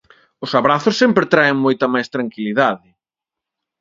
Os abrazos sempre traen moita máis tranquilidade.